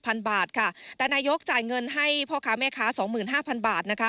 แต่นายกรัฐมนตรีจ่ายเงินให้พ่อค้าแม่ค้า๒๕๐๐๐บาท